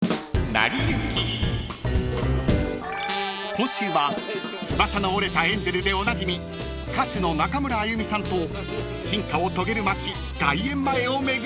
［今週は『翼の折れたエンジェル』でおなじみ歌手の中村あゆみさんと進化を遂げる街外苑前を巡る旅］